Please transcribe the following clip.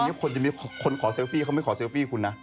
เพราะตรงนี้คนขอเซลฟี่เขาไม่ขอเซลฟี่คุณนะ